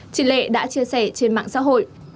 chị lệ đã chia sẻ trên mạng xã hội